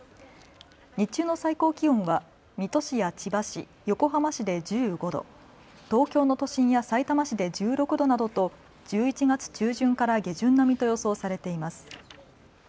日中の最高気温は水戸市や千葉市、横浜市で１５度、東京の都心やさいたま市で１６度などと１１月中旬から下旬並みと予想されています。